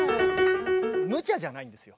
むちゃじゃないんですよ。